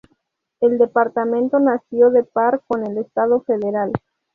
El departamento nació de par con el Estado federal.